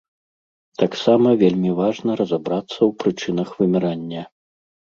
Таксама вельмі важна разабрацца ў прычынах вымірання.